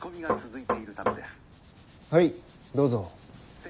はいどうぞ。